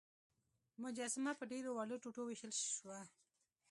مجسمه په ډیرو وړو ټوټو ویشل شوه.